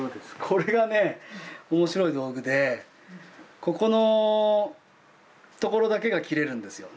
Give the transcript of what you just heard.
これがね面白い道具でここのところだけが切れるんですよ